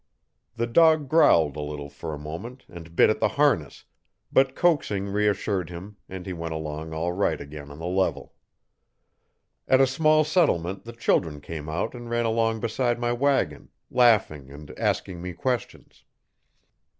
The dog growled a little for a moment and bit at the harness, but coaxing reassured him and he went along all right again on the level. At a small settlement the children came out and ran along beside my wagon, laughing and asking me questions.